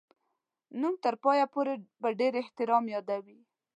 نوم تر پایه پوري په ډېر احترام یادوي.